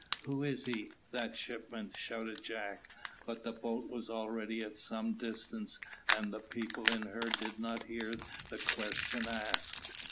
Who is he, that midshipman?" shouted Jack; but the boat was already at some distance, and the people in her did not hear the question asked.